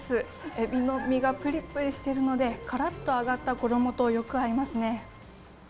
エビの身がぷりぷりしているので、からっと揚がった衣とよく合いますね。